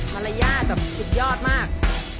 มารยาทแบบสุดยอดมาก